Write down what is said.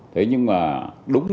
thế nhưng mà đúng